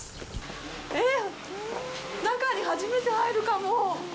えっ、中に初めて入るかも。